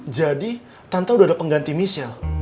jadi tante udah ada pengganti michelle